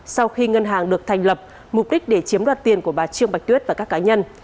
sau khi ngân hàng được thành lập mục đích để chiếm đoạt tiền của bà trương bạch tuyết và các cá nhân